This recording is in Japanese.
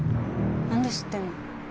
なんで知ってんの？